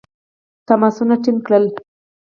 تماسونه ټینګ کړل.